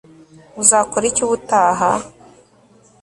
uzakora iki ubutaha